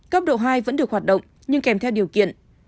cấp độ hai vẫn được hoạt động nhưng kèm theo điều kiện